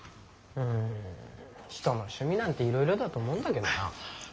うん人の趣味なんていろいろだと思うんだけどな。